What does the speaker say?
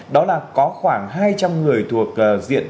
đó là có khoảng hai trăm linh người thuộc diện tiêu dịch